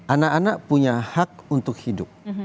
anak anak punya hak untuk hidup